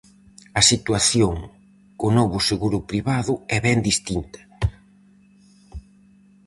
A situación co novo seguro privado é ben distinta.